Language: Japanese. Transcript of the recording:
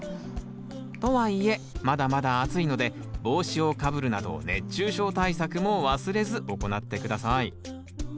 とはいえまだまだ暑いので帽子をかぶるなど熱中症対策も忘れず行って下さい。